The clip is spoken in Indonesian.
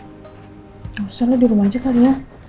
nggak usah lo di rumah aja kali ya